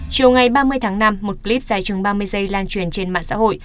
chiều ngày ba mươi tháng năm một clip dài chừng ba mươi giây lan truyền trên mạng xã hội